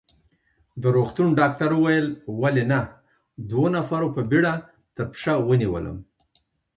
د روغتون ډاکټر وویل: ولې نه، دوو نفرو په بېړه تر پښه ونیولم.